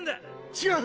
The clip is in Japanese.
違う！